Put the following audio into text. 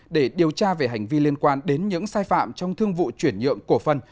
để điều tra về hành vi liên quan đến những sai phạm trong thương vụ chuyển nhượng cổ phân